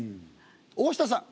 大下さん。